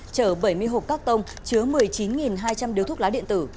chở bảy mươi hộp cắt tông chứa một mươi chín hai trăm linh điếu thuốc lá điện tử